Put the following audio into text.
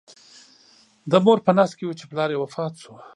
د مور په نس کې و چې پلار یې وفات شو.